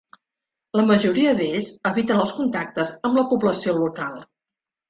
La majoria d'ells eviten els contactes amb la població local.